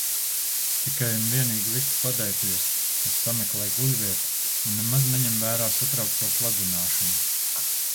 Tikai un vienīgi vistu padēkļos tas sameklē guļvietu un nemaz neņem vērā satraukto kladzināšanu.